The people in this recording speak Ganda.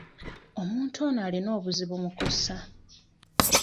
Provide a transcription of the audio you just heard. Omuntu ono alina obuzibu mu kussa.